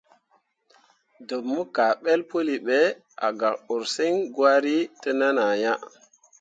Ɗəḅ mo kaaɓəl pəli ɓe, a gak ursəŋ gwari təʼnan ah ya.